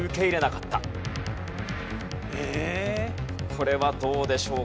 これはどうでしょうか？